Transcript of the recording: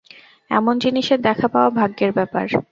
এমন জিনিসের দেখা পাওয়া ভাগ্যের ব্যাপার।